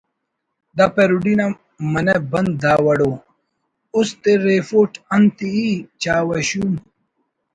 دا پیروڈی نا منہ بند دا وڑ ءُ: اُست ءِ ریفوٹ انت ای چاوہ شوم